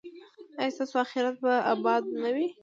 ایا ستاسو اخرت به اباد نه وي؟